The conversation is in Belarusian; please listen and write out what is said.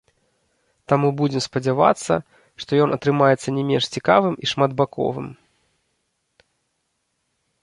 Таму будзем спадзявацца, што ён атрымаецца не менш цікавым і шматбаковым.